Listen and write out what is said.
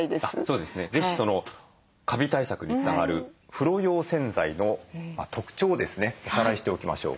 そうですね是非そのカビ対策につながる風呂用洗剤の特徴をですねおさらいしておきましょう。